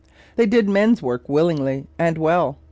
They did men's work willingly and well.